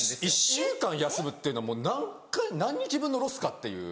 １週間休むっていうのはもう何日分のロスかっていう。